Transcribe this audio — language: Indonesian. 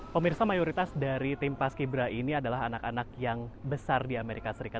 pemirsa mayoritas dari tim paski bra ini adalah anak anak yang besar di amerika serikat